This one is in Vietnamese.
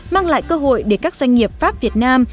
mang lại cơ hội để các doanh nghiệp pháp việt nam